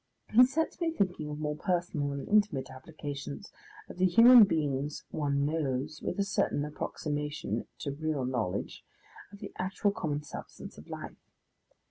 He sets me thinking of more personal and intimate applications, of the human beings one knows with a certain approximation to real knowledge, of the actual common substance of life.